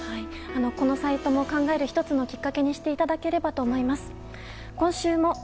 このサイトも考える１つのきっかけにしていただければと思います。